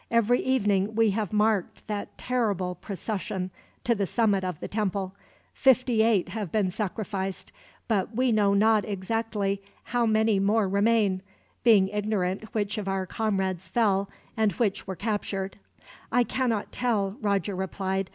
Every evening we have marked that terrible procession to the summit of the temple. Fifty eight have been sacrificed, but we know not exactly how many more remain; being ignorant which of our comrades fell, and which were captured." "I cannot tell," Roger replied.